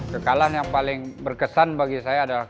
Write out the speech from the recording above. kekalahan yang paling berkesan bagi saya adalah